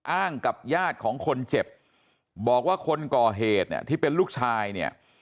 อ้างกับญาติของคนเจ็บบอกว่าคนก่อเหตุเนี่ยที่เป็นลูกชายเนี่ย